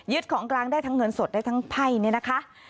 ของกลางได้ทั้งเงินสดได้ทั้งไพ่เนี่ยนะคะ